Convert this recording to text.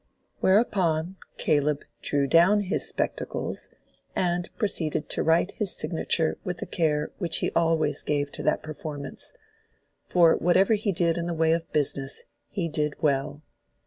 Whereupon Caleb drew down his spectacles, and proceeded to write his signature with the care which he always gave to that performance; for whatever he did in the way of business he did well.